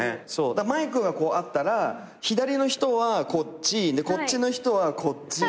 マイクがこうあったら左の人はこっちこっちの人はこっち。